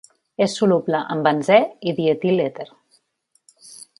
És soluble en benzè i dietilèter.